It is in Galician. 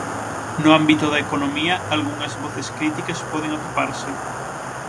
No ámbito da economía algunhas voces críticas poden atoparse.